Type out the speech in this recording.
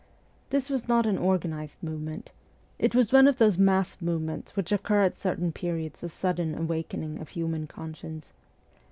This was not an organised movement : it was one of those mass movements which occur at certain periods of sudden awakening of human conscience.